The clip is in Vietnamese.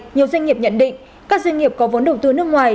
nhiều doanh nghiệp nhận định các doanh nghiệp có vốn đầu tư nước ngoài